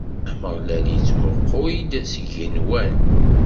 Ameɣlal ittmuqul-d seg yigenwan.